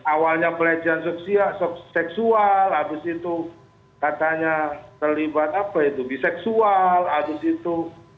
awalnya pelecehan seksual abis itu katanya terlibat apa itu biseksual abis itu